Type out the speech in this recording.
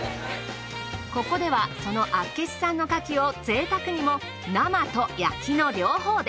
ここではその厚岸産の牡蠣を贅沢にも生と焼きの両方で。